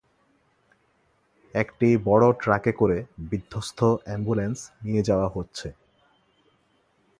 একটি বড় ট্রাকে করে বিধ্বস্ত অ্যাম্বুলেন্স নিয়ে যাওয়া হচ্ছে।